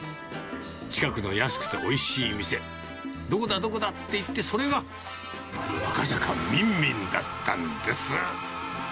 近くの安くておいしい店、どこだどこだっていって、それが、赤坂みんみんだったんです。